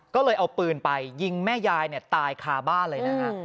ก็เลยเอาปืนไปยิงแม่ยายตายคาบ้าเลยนะครับ